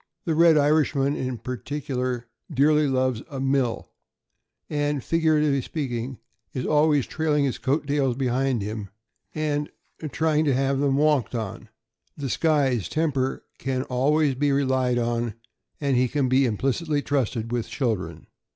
The red Irishman, in particu lar, dearly loves a "mill," and, figuratively speaking, is always trailing his coat tails behind him, and trying to have 31 482 THE AMERICAN BOOK OF THE DOG. them walked on. The Skye's temper can always be relied on, and he can be implicitly trusted with children.